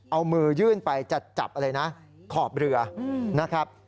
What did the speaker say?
เอามือยื่นไปจะจับอะไรนะขอบเรือนะครับ